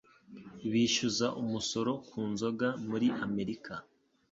Bishyuza umusoro ku nzoga muri Amerika